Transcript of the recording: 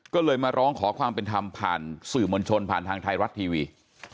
ก็เลยมาร้องขอความเป็นธรรมผ่านสื่อมวลชนผ่านทางไทยรัฐทีวี